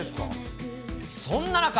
そんな中。